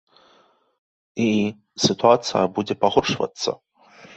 І сітуацыя будзе пагоршвацца.